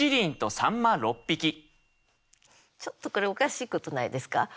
ちょっとこれおかしいことないですか？